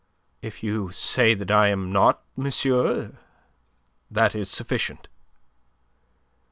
"If you say that I am not, monsieur, that is sufficient."